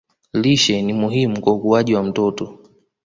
Lishe ni muhimu kwa ukuaji wa mtoto